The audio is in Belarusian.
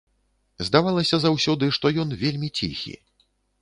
Здавалася заўсёды, што ён вельмі ціхі.